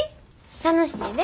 楽しいで。